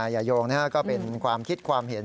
อย่ายงนะครับก็เป็นความคิดความเห็น